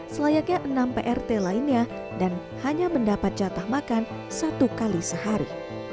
selayaknya enam prt lainnya dan hanya mendapat jatah makan satu kali sehari